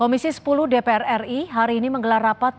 komisi sepuluh dpr ri hari ini menggelar rapat